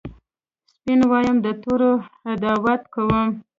سپین وایم د تورو عداوت کوم